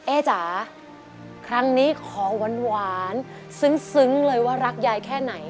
จ๋าครั้งนี้ขอหวานซึ้งเลยว่ารักยายแค่ไหน